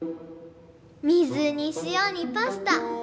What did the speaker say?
水にしおにパスタ。